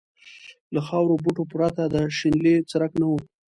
له خارو بوټو پرته د شنیلي څرک نه و.